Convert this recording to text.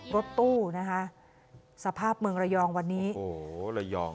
รถตู้นะคะสภาพเมืองระยองวันนี้โอ้โหระยอง